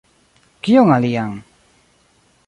Kion alian?